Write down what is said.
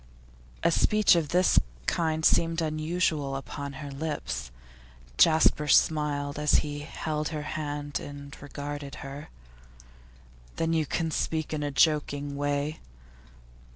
A speech of this kind seemed unusual upon her lips. Jasper smiled as he held her hand and regarded her. 'Then you can speak in a joking way?